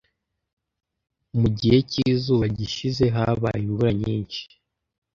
Mu gihe cyizuba gishize habaye imvura nyinshi.